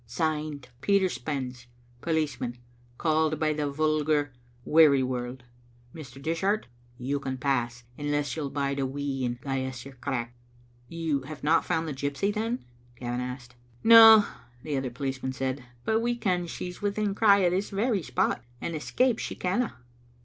Signed, Peter Spens, policeman, called by the vulgar, Wearsrworld. Mr. Dishart, you can pass, unless you'll bide a wee and gie us your crack." You have not found the gypsy, then?" Gavin asked. "No," the other policeman said, "but we ken she's within cry o* this very spot, and escape she canna."